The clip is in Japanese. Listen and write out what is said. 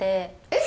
えっ。